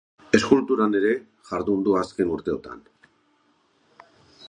Eskulturan ere jardun du azken urteotan.